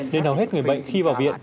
nên hầu hết người bệnh khi vào viện